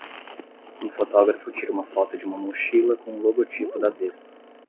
Um fotógrafo tira uma foto de uma mochila com um logotipo da Vespa.